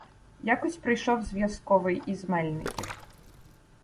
Якось прийшов зв'язковий із Мельників.